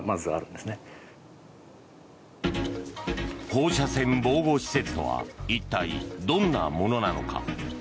放射線防護施設とは一体どんなものなのか。